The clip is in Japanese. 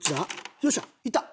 よっしゃいった！